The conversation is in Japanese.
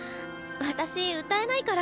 私歌えないから。